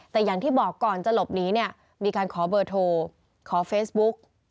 แต่อย่างที่บอกก่อนจะหลบหนีเนี่ยมีการขอเบอร์โทรขอเฟซบุ๊ก